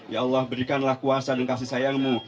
ya allah berikanlah kuasa dan kasih sayangmu